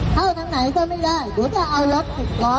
เข้าทางไหนก็ไม่ได้หรือจะเอารถถมาจอด